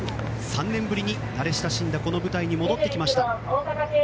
３年ぶりに慣れ親しんだこの舞台に戻ってきました。